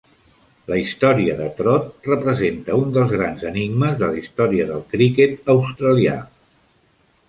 La història de Trott representa un dels grans enigmes de la història del criquet australià.